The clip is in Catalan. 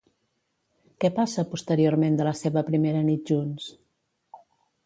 Què passa posteriorment de la seva primera nit junts?